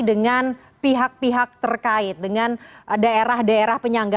dengan pihak pihak terkait dengan daerah daerah penyangga